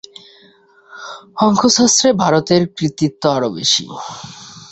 অঙ্কশাস্ত্রে ভারতের কৃতিত্ব আরও বেশী।